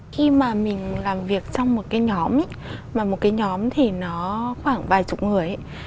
khi mà mình làm việc trong một cái nhóm mà một cái nhóm thì nó khoảng vài chục người